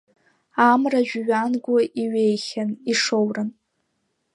Амра жәҩангәы иҩеихьан, ишоуран.